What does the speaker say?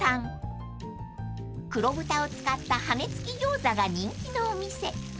［黒豚を使った羽根付き餃子が人気のお店］